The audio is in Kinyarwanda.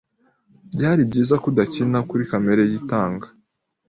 Byari byiza ko udakina kuri kamere ye itanga.